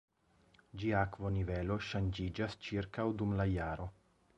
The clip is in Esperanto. Ĝia akvonivelo ŝanĝiĝas ĉirkaŭ dum la jaro.